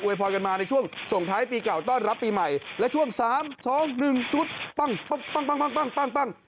พรกันมาในช่วงส่งท้ายปีเก่าต้อนรับปีใหม่และช่วง๓๒๑ชุดปั้งปั้ง